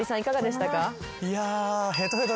いや。